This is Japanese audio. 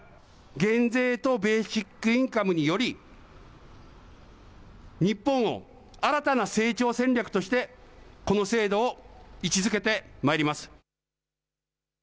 減税とベーシックインカムにより日本を新たな成長戦略としてこの制度を位置づけてまいります。